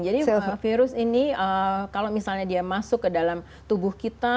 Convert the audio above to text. jadi virus ini kalau misalnya dia masuk ke dalam tubuh kita